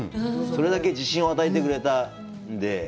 それだけ自信を与えてくれたんで。